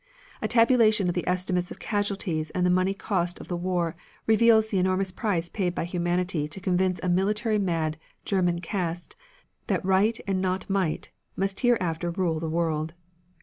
A tabulation of the estimates of casualties and the money cost of the war reveals the enormous price paid by humanity to convince a military mad Germanic caste that Right and not Might must hereafter rule the world.